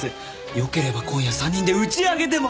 よければ今夜３人で打ち上げでも。